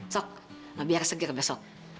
sok biar segar besok